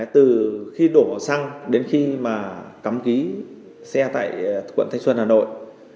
từ khi đổ xăng đến khi mà cắm ký xe tại quận thanh xuân hà nội